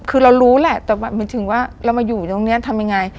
คือเรารู้แหละแต่หมายถึงว่าเรามาอยู่ตรงนี้ทำยังไง